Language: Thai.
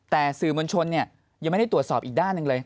แต่สื่อมวลชนยังไม่ได้ตรวจสอบอีกด้านหนึ่งเลย